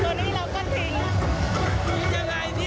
ล้างเท้าอาบน้ำสาผมตรงนี้เราก็ทิ้ง